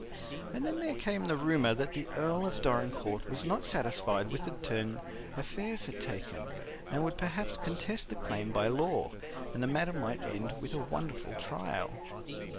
And then there came the rumor that the Earl of Dorincourt was not satisfied with the turn affairs had taken, and would perhaps contest the claim by law, and the matter might end with a wonderful trial.